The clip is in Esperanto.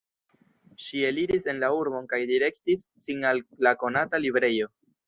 Ŝi eliris en la urbon kaj direktis sin al la konata librejo.